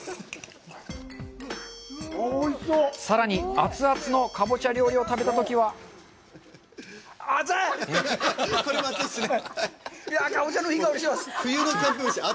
さらに熱々のかぼちゃ料理を食べた時はこれも熱いっすね